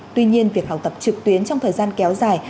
tuy nhiên việc học tập trực tuyến trong thời gian kéo dài